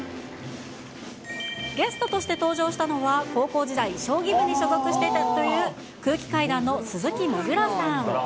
ゲストとして登場したのは、高校時代、将棋部に所属していたという空気階段の鈴木もぐらさん。